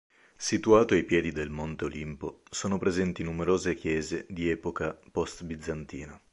Situato ai piedi del Monte Olimpo, sono presenti numerose chiese di epoca post-bizantina